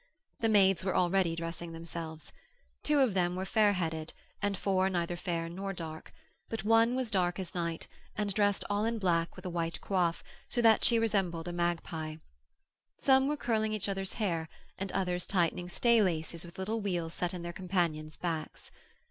The maids were already dressing themselves. Two of them were fairheaded, and four neither fair nor dark; but one was dark as night, and dressed all in black with a white coif, so that she resembled a magpie. Some were curling each other's hair and others tightening stay laces with little wheels set in their companions' backs.